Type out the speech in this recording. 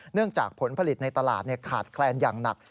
เนื่องจากผลผลิตในตลาดขาดแคลนที่อย่างนัก